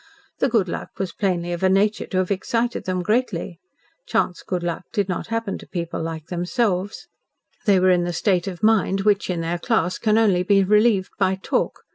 The good luck was plainly of a nature to have excited them greatly. Chance good luck did not happen to people like themselves. They were in the state of mind which in their class can only be relieved by talk.